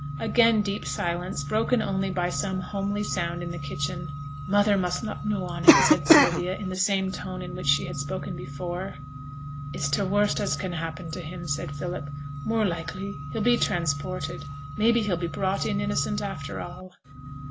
Again deep silence, broken only by some homely sound in the kitchen. 'Mother must not know on it,' said Sylvia, in the same tone in which she had spoken before. 'It's t' worst as can happen to him,' said Philip. 'More likely he'll be transported: maybe he'll be brought in innocent after all.'